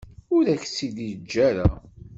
Ur ak-tt-id-yeǧǧa ara.